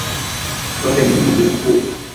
Wewe ni Mungu mkuu.